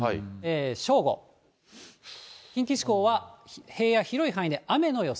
正午、近畿地方は平野、広い範囲で雨の予想。